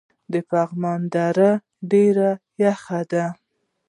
د پغمان دره ډیره یخه ده